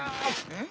えっ！